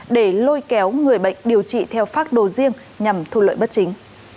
để lôi kéo người bệnh điều trị theo phác đồ riêng nhằm thu lợi bất chính